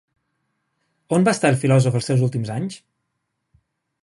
On va estar el filòsof els seus últims anys?